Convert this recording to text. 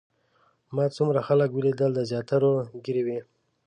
ما څومره خلک ولیدل د زیاترو ږیرې وې.